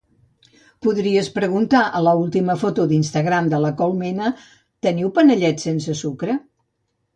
Podries preguntar a l'última foto d'Instagram de La Colmena "teniu panellets sense sucre"?